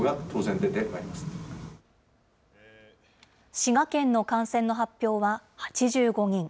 滋賀県の感染の発表は８５人。